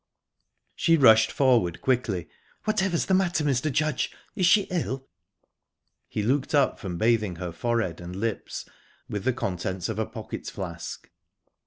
She rushed forward quickly. "Whatever's the matter, Mr. Judge? Is she ill?" He looked up from bathing her forehead and lips with the contents of a pocket flask.